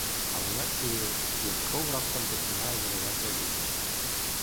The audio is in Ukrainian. І вона чує, як кров раптом починає заливати обличчя.